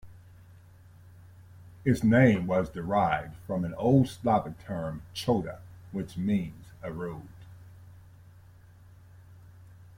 Its name was derived from an old Slavic term "choda", which means a road.